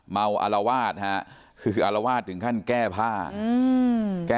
เมาอลาวาทฮะคืออลาวาดถึงขั้นแก้พลาด